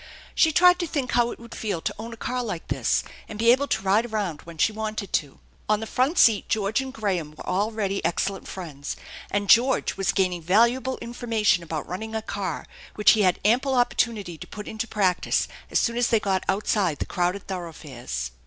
She tried to think how it would feel to own a car like this and be able to ride around when she wanted to. On the front seat George and Graham were already ex cellent friends, and George was gaining valuable information about running a car, which he had ample opportunity to put into practice as soon as they got outside the crowded thoroughfares.